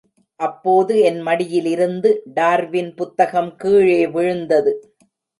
அப்போது என் மடியிலிருந்து டார்வின் புத்தகம் கீழே விழுந்தது.